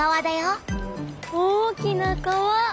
大きな川！